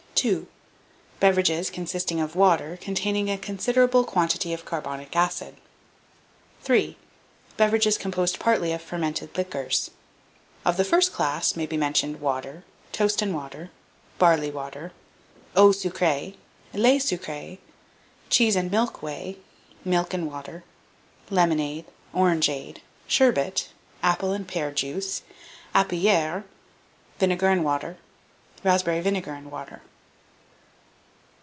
2. Beverages, consisting of water, containing a considerable quantity of carbonic acid. 3. Beverages composed partly of fermented liquors. Of the first class may be mentioned, water, toast and water, barley water, eau sucré, lait sucré, cheese and milk whey, milk and water, lemonade, orangeade, sherbet, apple and pear juice, capillaire, vinegar and water, raspberry vinegar and water.